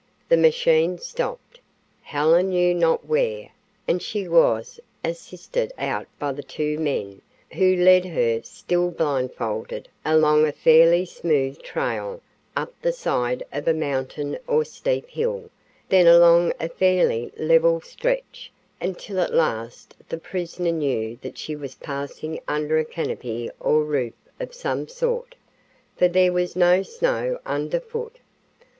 The machine stopped, Helen knew not where, and she was assisted out by the two men, who led her, still blindfolded, along a fairly smooth trail, up the side of a mountain or steep hill, then along a fairly level stretch, until at last the prisoner knew that she was passing under a canopy or roof of some sort, for there was no snow under foot.